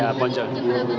jam berapa ke semarang